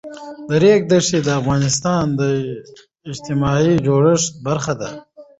د ریګ دښتې د افغانستان د اجتماعي جوړښت برخه ده.